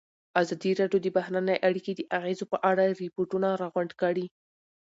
ازادي راډیو د بهرنۍ اړیکې د اغېزو په اړه ریپوټونه راغونډ کړي.